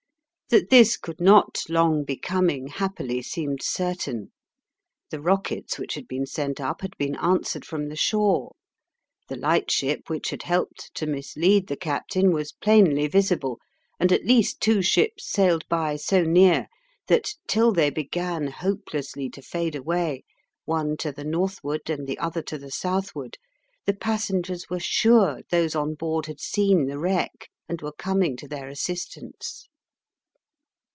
That this could not long be coming happily seemed certain. The rockets which had been sent up had been answered from the shore. The lightship which had helped to mislead the captain was plainly visible, and at least two ships sailed by so near that till they began hopelessly to fade away, one to the northward and the other to the southward, the passengers were sure those on board had seen the wreck, and were coming to their assistance.